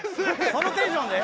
あのテンションで？